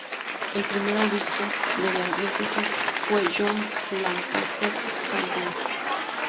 El primer obispo de la diócesis fue John Lancaster Spalding.